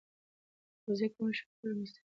د تغذیې کمښت فقر رامنځته کوي.